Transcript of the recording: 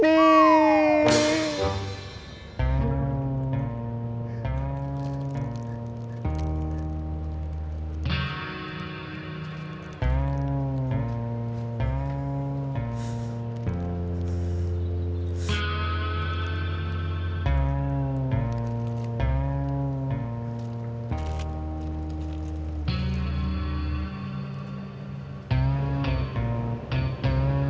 tidak ada apa apa